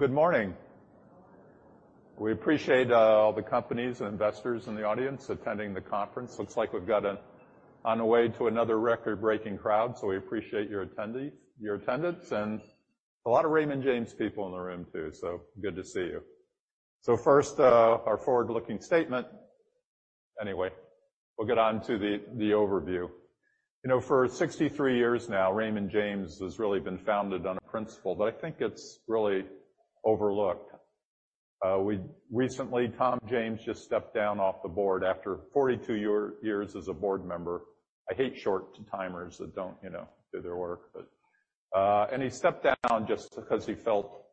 Good morning. We appreciate all the companies and investors in the audience attending the conference. Looks like we've got on the way to another record-breaking crowd, so we appreciate your attendance and a lot of Raymond James people in the room too, so good to see you. So first, our forward-looking statement. Anyway, we'll get on to the overview. You know, for 63 years now, Raymond James has really been founded on a principle that I think it's really overlooked. We recently Tom James just stepped down off the board after 42 years as a board member. I hate short timers that don't, you know, do their work, but, and he stepped down just because he felt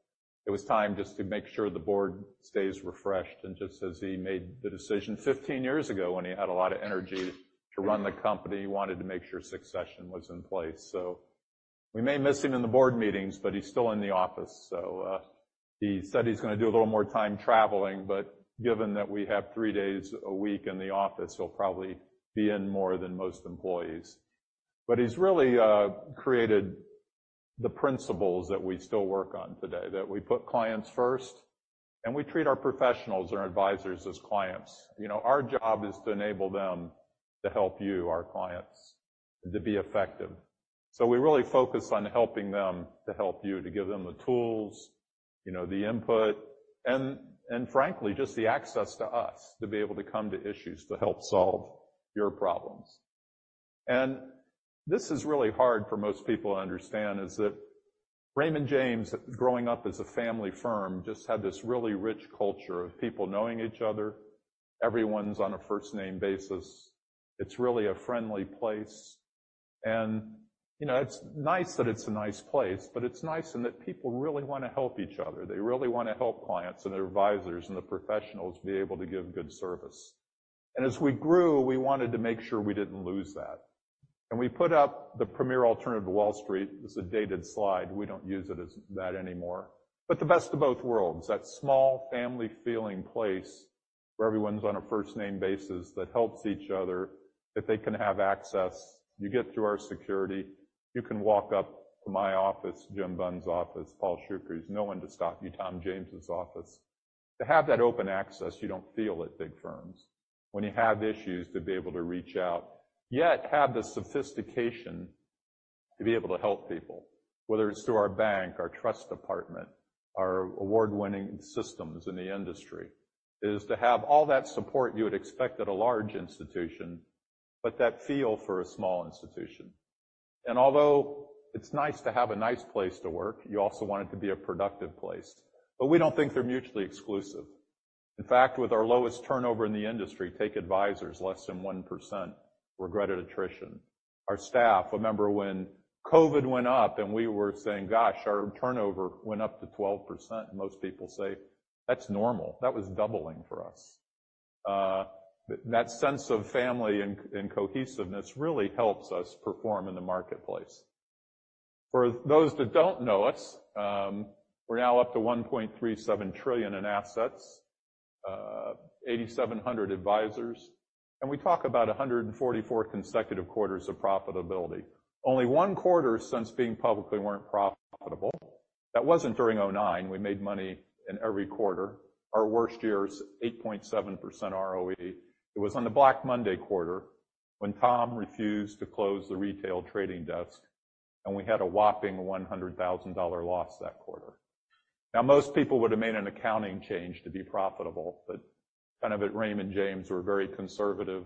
it was time just to make sure the board stays refreshed and just as he made the decision 15 years ago when he had a lot of energy to run the company, he wanted to make sure succession was in place. So we may miss him in the board meetings, but he's still in the office, so, he said he's gonna do a little more time traveling, but given that we have three days a week in the office, he'll probably be in more than most employees. But he's really created the principles that we still work on today, that we put clients first and we treat our professionals, our advisors, as clients. You know, our job is to enable them to help you, our clients, and to be effective. So we really focus on helping them to help you, to give them the tools, you know, the input, and, and frankly, just the access to us to be able to come to issues to help solve your problems. And this is really hard for most people to understand, is that Raymond James, growing up as a family firm, just had this really rich culture of people knowing each other. Everyone's on a first-name basis. It's really a friendly place. And, you know, it's nice that it's a nice place, but it's nice in that people really want to help each other. They really want to help clients and their advisors and the professionals be able to give good service. And as we grew, we wanted to make sure we didn't lose that. And we put up the premier alternative to Wall Street. It's a dated slide. We don't use it as that anymore. But the best of both worlds, that small, family-feeling place where everyone's on a first-name basis that helps each other, that they can have access. You get through our security. You can walk up to my office, Jim Bunn's office, Paul Shoukry's, no one to stop you, Tom James's office. To have that open access, you don't feel at big firms. When you have issues, to be able to reach out, yet have the sophistication to be able to help people, whether it's through our bank, our trust department, our award-winning systems in the industry, is to have all that support you would expect at a large institution, but that feel for a small institution. And although it's nice to have a nice place to work, you also want it to be a productive place. But we don't think they're mutually exclusive. In fact, with our lowest turnover in the industry, take advisors, less than 1% regretted attrition. Our staff, remember when COVID went up and we were saying, "Gosh, our turnover went up to 12%," most people say, "That's normal. That was doubling for us." That sense of family and, and cohesiveness really helps us perform in the marketplace. For those that don't know us, we're now up to $1.37 trillion in assets, 8,700 advisors, and we talk about 144 consecutive quarters of profitability. Only one quarter since being publicly weren't profitable. That wasn't during 2009. We made money in every quarter. Our worst years, 8.7% ROE. It was on the Black Monday quarter when Tom refused to close the retail trading desk, and we had a whopping $100,000 loss that quarter. Now, most people would have made an accounting change to be profitable, but kind of at Raymond James, we're very conservative.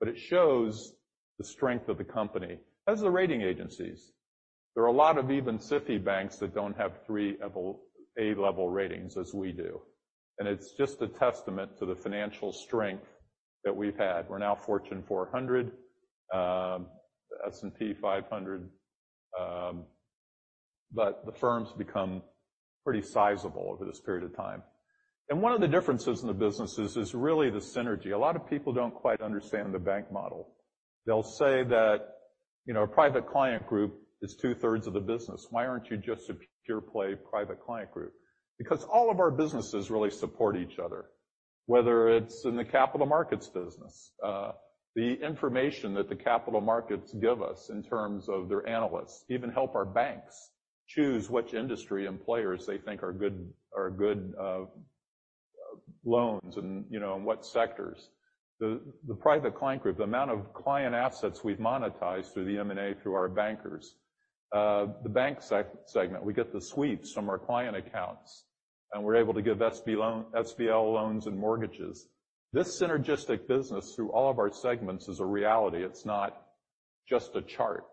But it shows the strength of the company. As the rating agencies, there are a lot of even community banks that don't have three A-level ratings as we do. And it's just a testament to the financial strength that we've had. We're now Fortune 400, S&P 500, but the firms become pretty sizable over this period of time. And one of the differences in the businesses is really the synergy. A lot of people don't quite understand the bank model. They'll say that, you know, a Private Client Group is two-thirds of the business. Why aren't you just a pure-play Private Client Group? Because all of our businesses really support each other, whether it's in the capital markets business, the information that the capital markets give us in terms of their analysts, even help our banks choose which industry and players they think are good are good, loans and, you know, in what sectors. The private client group, the amount of client assets we've monetized through the M&A through our bankers, the bank segment, we get the sweeps from our client accounts, and we're able to give SBL loans and mortgages. This synergistic business through all of our segments is a reality. It's not just a chart.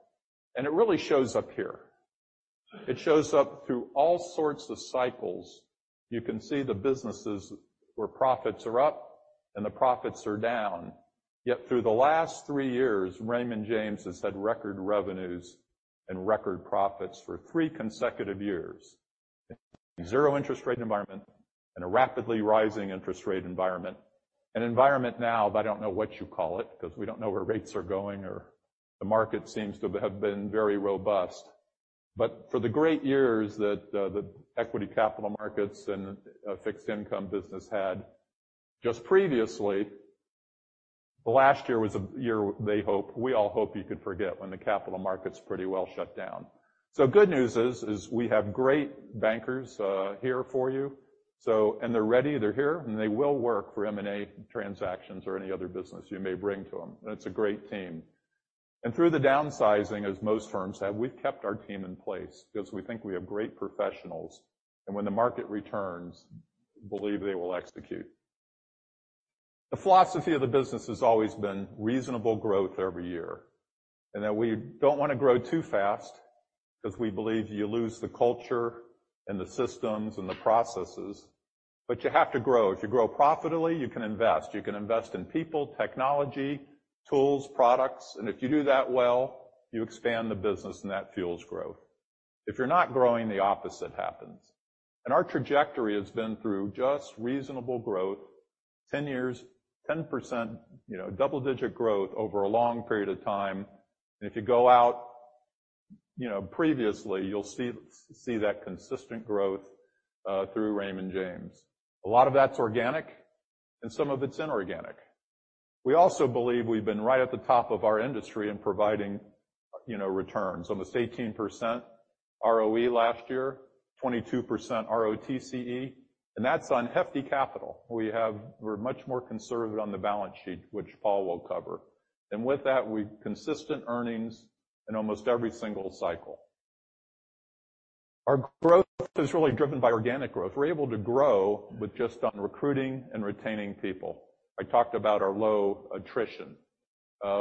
And it really shows up here. It shows up through all sorts of cycles. You can see the businesses where profits are up and the profits are down. Yet, through the last three years, Raymond James has had record revenues and record profits for three consecutive years in a zero-interest rate environment and a rapidly rising interest rate environment, an environment now that I don't know what you call it because we don't know where rates are going or the market seems to have been very robust. But for the great years that the equity capital markets and fixed income business had just previously, the last year was a year they hope, we all hope you could forget, when the capital markets pretty well shut down. So good news is we have great bankers here for you, so and they're ready. They're here, and they will work for M&A transactions or any other business you may bring to them. And it's a great team. And through the downsizing, as most firms have, we've kept our team in place because we think we have great professionals, and when the market returns, believe they will execute. The philosophy of the business has always been reasonable growth every year and that we don't want to grow too fast because we believe you lose the culture and the systems and the processes. But you have to grow. If you grow profitably, you can invest. You can invest in people, technology, tools, products. And if you do that well, you expand the business, and that fuels growth. If you're not growing, the opposite happens. And our trajectory has been through just reasonable growth, 10 years, 10%, you know, double-digit growth over a long period of time. And if you go out, you know, previously, you'll see that consistent growth, through Raymond James. A lot of that's organic, and some of it's inorganic. We also believe we've been right at the top of our industry in providing, you know, returns. Almost 18% ROE last year, 22% ROTCE. And that's on hefty capital. We have, we're much more conservative on the balance sheet, which Paul will cover. And with that, we've consistent earnings in almost every single cycle. Our growth is really driven by organic growth. We're able to grow with just on recruiting and retaining people. I talked about our low attrition.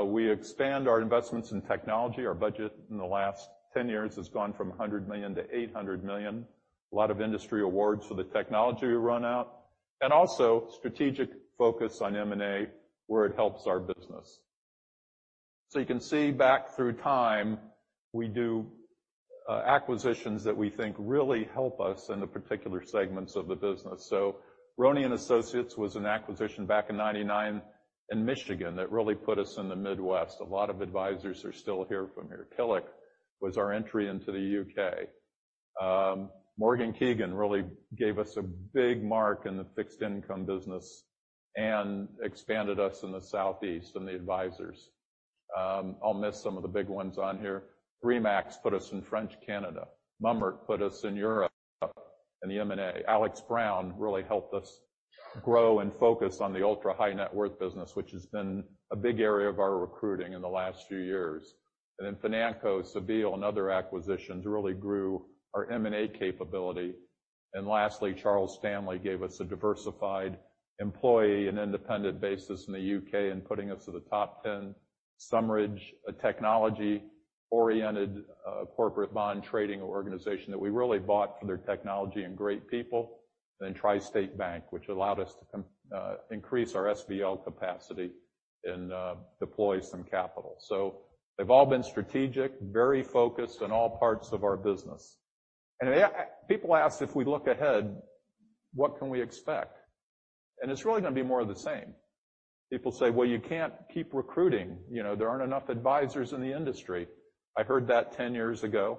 We expand our investments in technology. Our budget in the last 10 years has gone from $100 million to $800 million. A lot of industry awards for the technology run out. And also strategic focus on M&A where it helps our business. So you can see back through time, we do acquisitions that we think really help us in the particular segments of the business. So Roney & Associates was an acquisition back in 1999 in Michigan that really put us in the Midwest. A lot of advisors are still here from here. Kellogg was our entry into the U.K. Morgan Keegan really gave us a big mark in the fixed income business and expanded us in the Southeast and the advisors. I'll miss some of the big ones on here. RE/MAX put us in French Canada. Mummert put us in Europe in the M&A. Alex Brown really helped us grow and focus on the ultra-high-net-worth business, which has been a big area of our recruiting in the last few years. And then Financo, Cebile, and other acquisitions really grew our M&A capability. And lastly, Charles Stanley gave us a diversified employee and independent basis in the U.K. in putting us to the top 10. SumRidge, a technology-oriented, corporate bond trading organization that we really bought for their technology and great people, and then TriState Capital Bank, which allowed us to increase our SBL capacity and deploy some capital. So they've all been strategic, very focused in all parts of our business. And then people ask if we look ahead, what can we expect? And it's really gonna be more of the same. People say, "Well, you can't keep recruiting. You know, there aren't enough advisors in the industry." I heard that 10 years ago.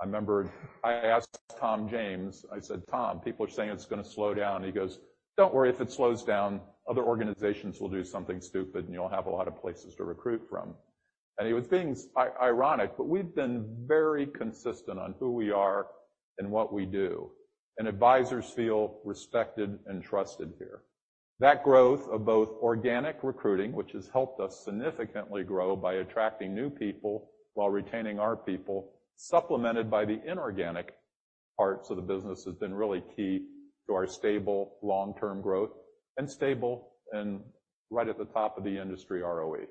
I remember I asked Tom James. I said, "Tom, people are saying it's gonna slow down." He goes, "Don't worry. If it slows down, other organizations will do something stupid, and you'll have a lot of places to recruit from." It was being ironic, but we've been very consistent on who we are and what we do. Advisors feel respected and trusted here. That growth of both organic recruiting, which has helped us significantly grow by attracting new people while retaining our people, supplemented by the inorganic parts of the business, has been really key to our stable, long-term growth and stable and right at the top of the industry ROE.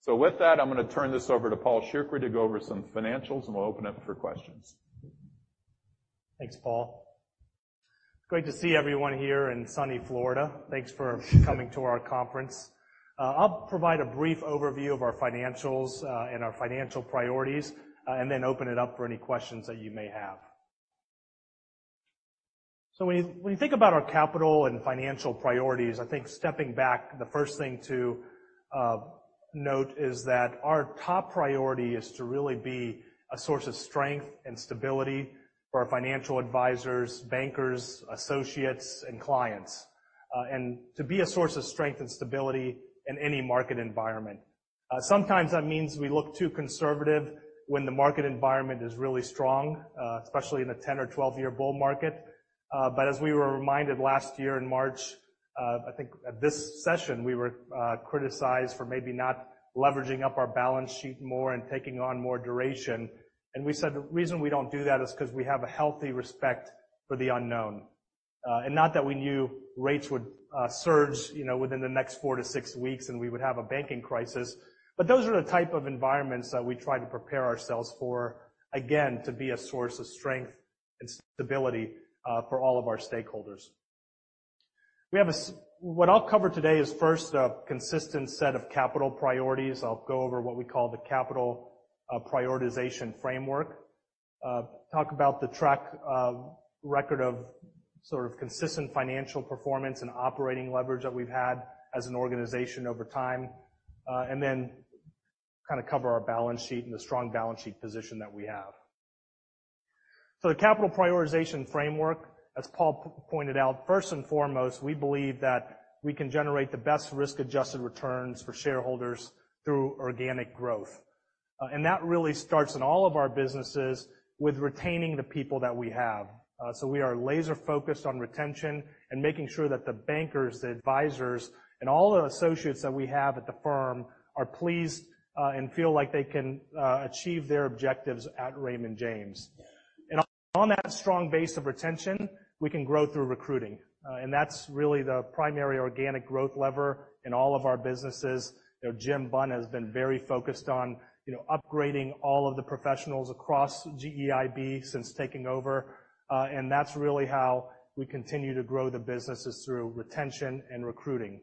So with that, I'm gonna turn this over to Paul Shoukry to go over some financials, and we'll open it up for questions. Thanks, Paul. It's great to see everyone here in sunny Florida. Thanks for coming to our conference. I'll provide a brief overview of our financials, and our financial priorities, and then open it up for any questions that you may have. So when you think about our capital and financial priorities, I think stepping back, the first thing to note is that our top priority is to really be a source of strength and stability for our financial advisors, bankers, associates, and clients, and to be a source of strength and stability in any market environment. Sometimes that means we look too conservative when the market environment is really strong, especially in a 10- or 12-year bull market. But as we were reminded last year in March, I think at this session, we were criticized for maybe not leveraging up our balance sheet more and taking on more duration. And we said the reason we don't do that is because we have a healthy respect for the unknown. And not that we knew rates would surge, you know, within the next 4-6 weeks, and we would have a banking crisis. But those are the type of environments that we try to prepare ourselves for, again, to be a source of strength and stability for all of our stakeholders. We have, as what I'll cover today is first, a consistent set of capital priorities. I'll go over what we call the capital prioritization framework, talk about the track record of sort of consistent financial performance and operating leverage that we've had as an organization over time, and then kind of cover our balance sheet and the strong balance sheet position that we have. So the capital prioritization framework, as Paul pointed out, first and foremost, we believe that we can generate the best risk-adjusted returns for shareholders through organic growth. And that really starts in all of our businesses with retaining the people that we have. So we are laser-focused on retention and making sure that the bankers, the advisors, and all the associates that we have at the firm are pleased and feel like they can achieve their objectives at Raymond James. And on that strong base of retention, we can grow through recruiting. That's really the primary organic growth lever in all of our businesses. You know, Jim Bunn has been very focused on, you know, upgrading all of the professionals across GEIB since taking over. That's really how we continue to grow the businesses through retention and recruiting.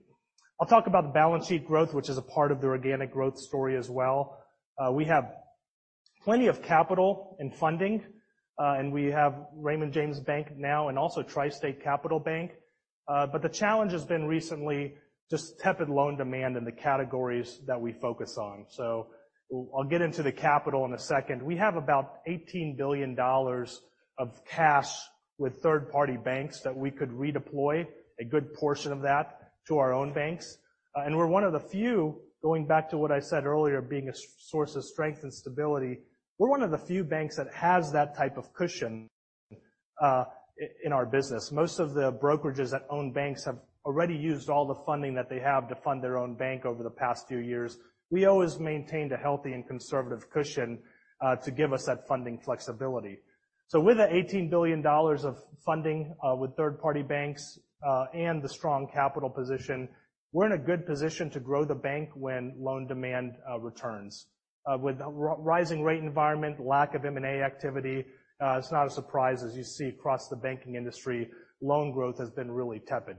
I'll talk about the balance sheet growth, which is a part of the organic growth story as well. We have plenty of capital and funding, and we have Raymond James Bank now and also TriState Capital Bank. The challenge has been recently just tepid loan demand in the categories that we focus on. So I'll get into the capital in a second. We have about $18 billion of cash with third-party banks that we could redeploy, a good portion of that to our own banks. We're one of the few, going back to what I said earlier, being a source of strength and stability. We're one of the few banks that has that type of cushion, in our business. Most of the brokerages that own banks have already used all the funding that they have to fund their own bank over the past few years. We always maintained a healthy and conservative cushion, to give us that funding flexibility. So with the $18 billion of funding, with third-party banks, and the strong capital position, we're in a good position to grow the bank when loan demand returns. With the rising rate environment, lack of M&A activity, it's not a surprise, as you see across the banking industry, loan growth has been really tepid.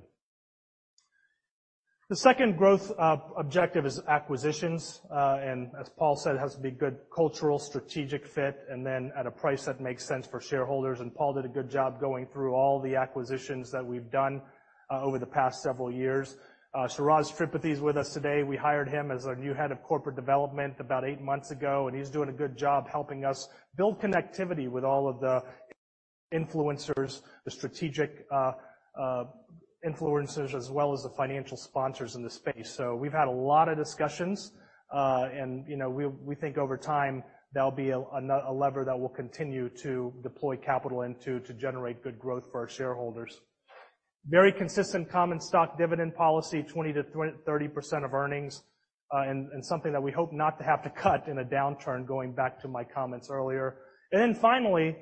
The second growth objective is acquisitions. As Paul said, it has to be a good cultural, strategic fit and then at a price that makes sense for shareholders. Paul did a good job going through all the acquisitions that we've done, over the past several years. Suraj Tripathy is with us today. We hired him as our new head of corporate development about eight months ago, and he's doing a good job helping us build connectivity with all of the influencers, the strategic, influencers, as well as the financial sponsors in the space. We've had a lot of discussions, and, you know, we, we think over time, there'll be a, another lever that we'll continue to deploy capital into, to generate good growth for our shareholders. Very consistent common stock dividend policy, 20%-30% of earnings, and, and something that we hope not to have to cut in a downturn, going back to my comments earlier. And then finally,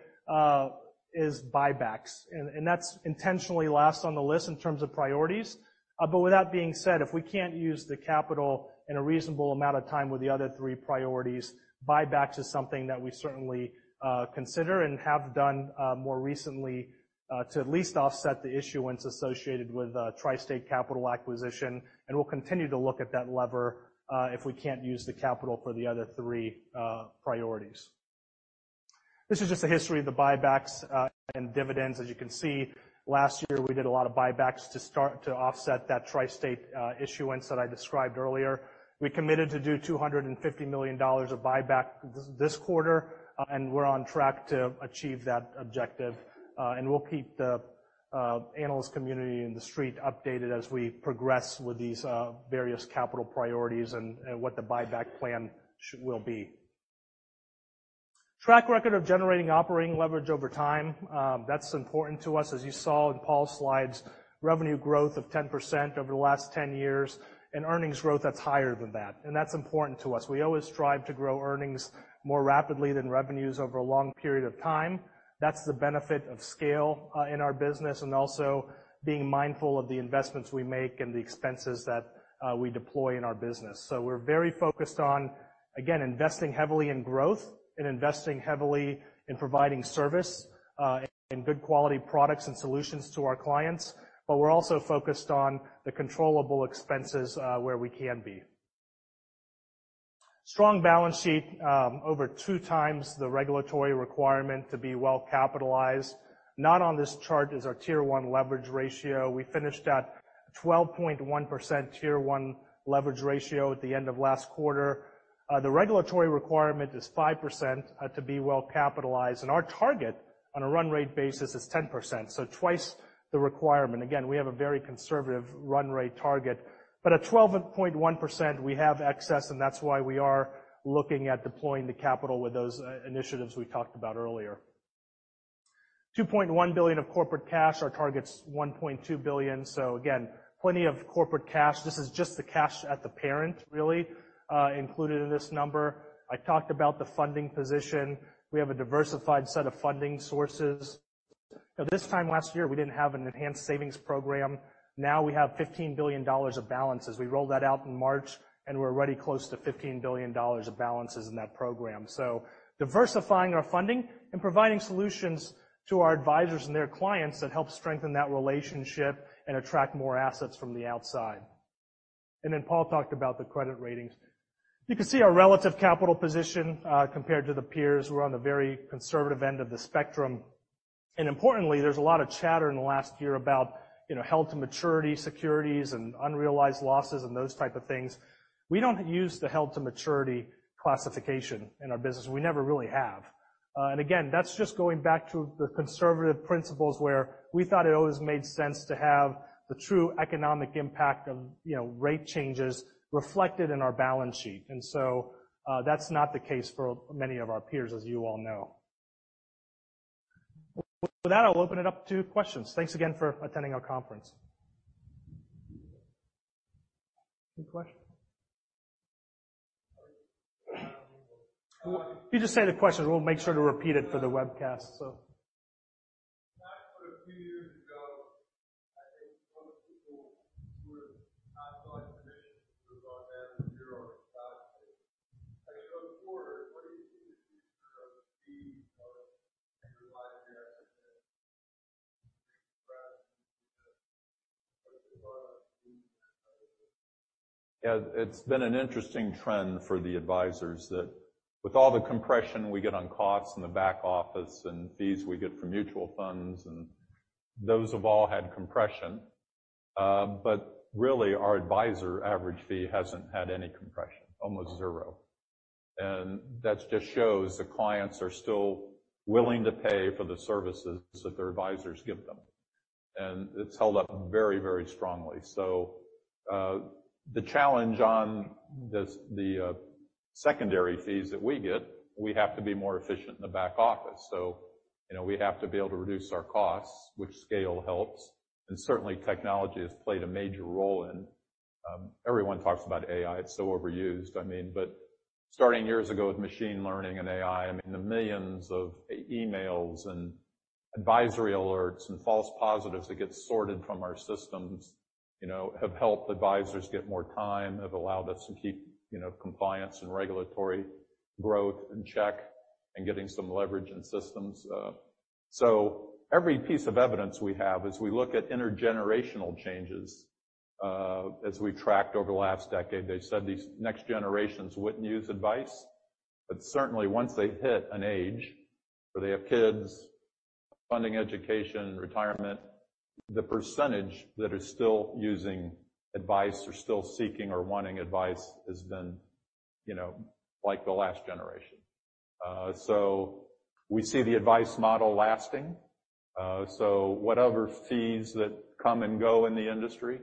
is buybacks. And, and that's intentionally last on the list in terms of priorities. But with that being said, if we can't use the capital in a reasonable amount of time with the other three priorities, buybacks is something that we certainly, consider and have done, more recently, to at least offset the issuance associated with, TriState Capital acquisition. And we'll continue to look at that lever, if we can't use the capital for the other three, priorities. This is just a history of the buybacks, and dividends. As you can see, last year, we did a lot of buybacks to start to offset that TriState, issuance that I described earlier. We committed to do $250 million of buyback this, this quarter, and we're on track to achieve that objective. We'll keep the analyst community in the street updated as we progress with these various capital priorities and what the buyback plan will be. Track record of generating operating leverage over time, that's important to us. As you saw in Paul's slides, revenue growth of 10% over the last 10 years and earnings growth that's higher than that. That's important to us. We always strive to grow earnings more rapidly than revenues over a long period of time. That's the benefit of scale, in our business and also being mindful of the investments we make and the expenses that we deploy in our business. So we're very focused on, again, investing heavily in growth and investing heavily in providing service, and good quality products and solutions to our clients. But we're also focused on the controllable expenses, where we can be. Strong balance sheet, over two times the regulatory requirement to be well capitalized. Not on this chart is our Tier One Leverage Ratio. We finished at 12.1% Tier One Leverage Ratio at the end of last quarter. The regulatory requirement is 5%, to be well capitalized. And our target on a run rate basis is 10%, so twice the requirement. Again, we have a very conservative run rate target. But at 12.1%, we have excess, and that's why we are looking at deploying the capital with those, initiatives we talked about earlier. $2.1 billion of corporate cash. Our target's $1.2 billion. So again, plenty of corporate cash. This is just the cash at the parent, really, included in this number. I talked about the funding position. We have a diversified set of funding sources. Now, this time last year, we didn't have an Enhanced Savings Program. Now we have $15 billion of balances. We rolled that out in March, and we're already close to $15 billion of balances in that program. So diversifying our funding and providing solutions to our advisors and their clients that help strengthen that relationship and attract more assets from the outside. And then Paul talked about the credit ratings. You can see our relative capital position, compared to the peers. We're on the very conservative end of the spectrum. And importantly, there's a lot of chatter in the last year about, you know, held-to-maturity securities and unrealized losses and those type of things. We don't use the held-to-maturity classification in our business. We never really have. And again, that's just going back to the conservative principles where we thought it always made sense to have the true economic impact of, you know, rate changes reflected in our balance sheet. And so, that's not the case for many of our peers, as you all know. With that, I'll open it up to questions. Thanks again for attending our conference. Any questions? You just say the questions. We'll make sure to repeat it for the webcast, so. Back from a few years ago, I think most people who were not going commissioned were going down to zero or stock basis. As you look forward, what do you see the future of fees and your liabilities? Yeah. It's been an interesting trend for the advisors that with all the compression we get on costs and the back office and fees we get from mutual funds, and those have all had compression. But really, our advisor average fee hasn't had any compression, almost zero. And that just shows the clients are still willing to pay for the services that their advisors give them. And it's held up very, very strongly. So, the challenge on this, secondary fees that we get, we have to be more efficient in the back office. So, you know, we have to be able to reduce our costs, which scale helps. And certainly, technology has played a major role in, everyone talks about AI. It's so overused, I mean. But starting years ago with machine learning and AI, I mean, the millions of e-mails and advisory alerts and false positives that get sorted from our systems, you know, have helped advisors get more time, have allowed us to keep, you know, compliance and regulatory growth in check and getting some leverage in systems. So every piece of evidence we have is we look at intergenerational changes, as we tracked over the last decade. They said these next generations wouldn't use advice. But certainly, once they hit an age where they have kids, funding education, retirement, the percentage that are still using advice or still seeking or wanting advice has been, you know, like the last generation. So we see the advice model lasting. So whatever fees that come and go in the industry,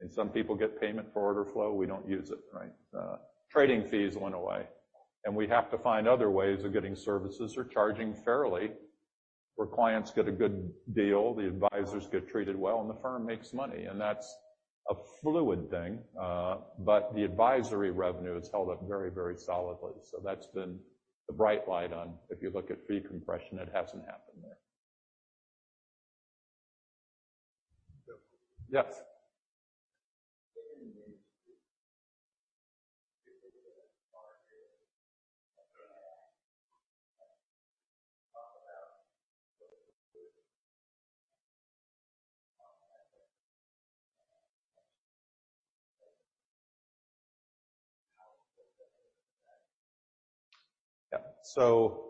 and some people get payment for order flow, we don't use it, right? Trading fees went away. And we have to find other ways of getting services or charging fairly where clients get a good deal, the advisors get treated well, and the firm makes money. And that's a fluid thing. But the advisory revenue has held up very, very solidly. So that's been the bright light on if you look at fee compression, it hasn't happened there. Yes? Yeah. So,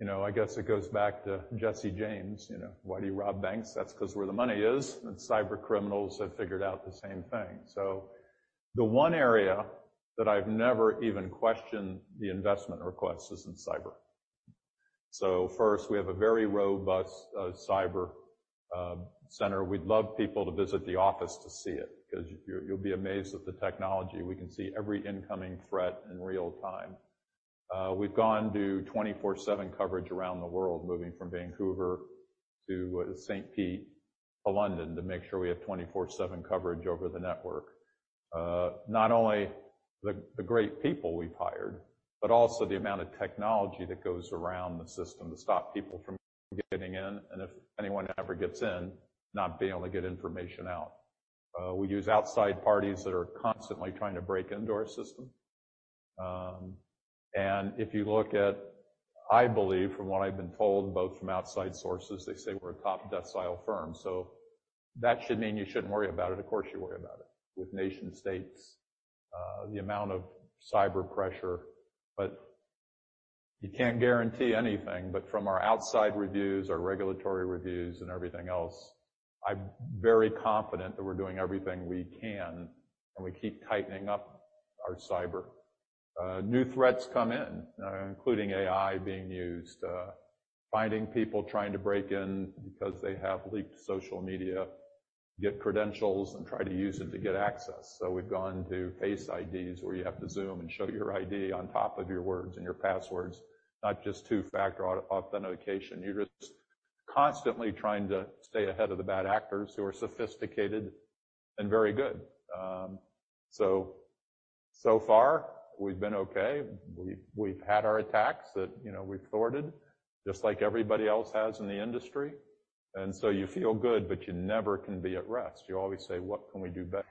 you know, I guess it goes back to Jesse James, you know, why do you rob banks? That's because where the money is. And cybercriminals have figured out the same thing. So the one area that I've never even questioned the investment request is in cyber. So first, we have a very robust cyber center. We'd love people to visit the office to see it because you'll be amazed at the technology. We can see every incoming threat in real time. We've gone to 24/7 coverage around the world, moving from Vancouver to St. Pete to London to make sure we have 24/7 coverage over the network. Not only the great people we've hired, but also the amount of technology that goes around the system to stop people from getting in and if anyone ever gets in, not be able to get information out. We use outside parties that are constantly trying to break into our system. If you look at, I believe, from what I've been told, both from outside sources, they say we're a top decile firm. So that should mean you shouldn't worry about it. Of course, you worry about it with nation-states, the amount of cyber pressure. But you can't guarantee anything. But from our outside reviews, our regulatory reviews, and everything else, I'm very confident that we're doing everything we can, and we keep tightening up our cyber. New threats come in, including AI being used, finding people trying to break in because they have leaked social media, get credentials, and try to use it to get access. So we've gone to Face IDs where you have to Zoom and show your ID on top of your words and your passwords, not just two-factor authentication. You're just constantly trying to stay ahead of the bad actors who are sophisticated and very good. So far, we've been okay. We've had our attacks that, you know, we've thwarted just like everybody else has in the industry. And so you feel good, but you never can be at rest. You always say, "What can we do better?